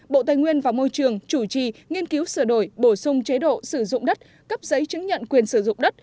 bộ tài nguyên và môi trường chủ trì nghiên cứu sửa đổi bổ sung chế độ sử dụng đất cấp giấy chứng nhận quyền sử dụng đất